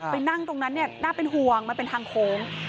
ไปนั่งตรงนั้นน่าเป็นห่วงมันเป็นทางโค้ง